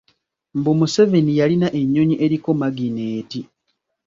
Mbu Museveni yalina ennyonyi eriko magineeti.